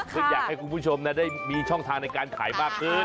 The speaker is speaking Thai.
ซึ่งอยากให้คุณผู้ชมได้มีช่องทางในการขายมากขึ้น